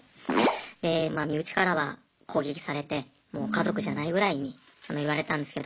で身内からは攻撃されてもう家族じゃないぐらいに言われたんですけど。